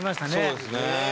そうですね。